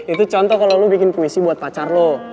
itu contoh kalo lu bikin puisi buat pacar lo